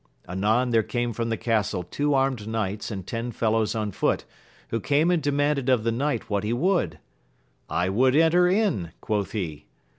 Anon there came from the castle two armed knights and ten fellows on foot, who came and demanded of the knight what he would 1 I would enter in, quoth he.